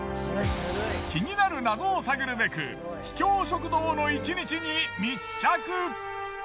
気になる謎を探るべく秘境食堂の１日に密着。